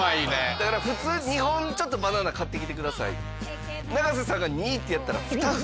だから普通「２本ちょっとバナナ買ってきて下さい」。